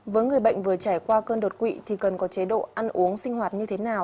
với người bệnh vừa trải qua cơn đột quỵ thì cần có chế độ ăn uống sinh hoạt như thế nào